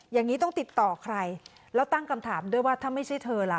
อย่างนี้ต้องติดต่อใครแล้วตั้งคำถามด้วยว่าถ้าไม่ใช่เธอล่ะ